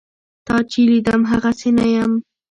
تا چې لیدم هغسې نه یم.